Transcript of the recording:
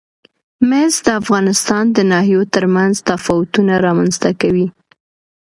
مس د افغانستان د ناحیو ترمنځ تفاوتونه رامنځ ته کوي.